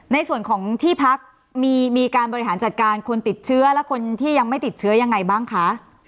ในส่วนของที่พักมีการบริหารจัดการคนติดเชื้อและคนที่ยังไม่ติดเชื้อยังไงบ้างคะ